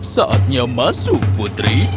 saatnya masuk putri